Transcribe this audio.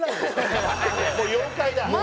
もう妖怪だ。